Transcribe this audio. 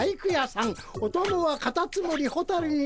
おともはカタツムリホタルにえぼし」。